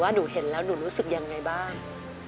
หนูเห็นแล้วหนูรู้สึกยังไงบ้าง